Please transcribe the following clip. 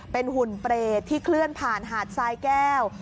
เป็นหุ่นเปรตที่เคลื่อนผ่านหาดทรายแก้ว